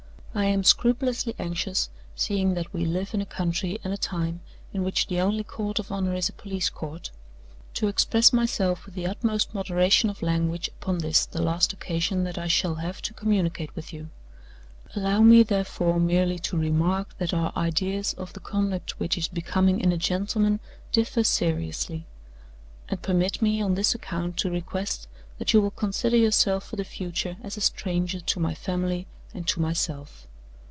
I am scrupulously anxious, seeing that we live in a country and a time in which the only court of honor is a police court, to express myself with the utmost moderation of language upon this the last occasion that I shall have to communicate with you. Allow me, therefore, merely to remark that our ideas of the conduct which is becoming in a gentleman differ seriously; and permit me on this account to request that you will consider yourself for the future as a stranger to my family and to myself.